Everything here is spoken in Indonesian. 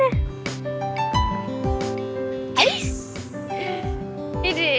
ke bawah sedikit